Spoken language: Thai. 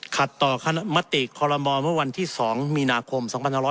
ขัดต่อคณะมติคอลโมเมื่อวันที่๒มีนาคม๒๕๖๐